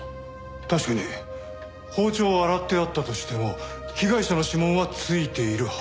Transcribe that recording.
確かに包丁を洗ってあったとしても被害者の指紋はついているはず。